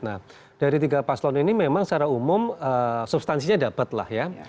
nah dari tiga paslon ini memang secara umum substansinya dapat lah ya